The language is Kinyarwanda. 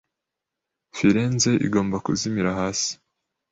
Firenze igomba kuzimira hasi